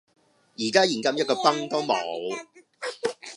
依家現金一個鏰都冇